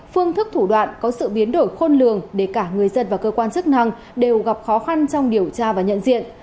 phương thức thủ đoạn có sự biến đổi khôn lường để cả người dân và cơ quan chức năng đều gặp khó khăn trong điều tra và nhận diện